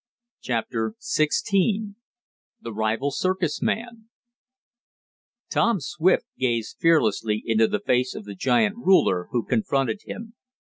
CHAPTER XVI THE RIVAL CIRCUS MAN Tom Swift gazed fearlessly into the face of the giant ruler who confronted him.